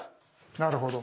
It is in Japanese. なるほど。